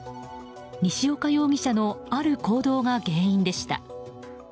西岡容疑者のある行動が原因でした。